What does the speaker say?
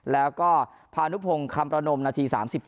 แล้วก็พานุพงศ์คำประนมนาที๓๙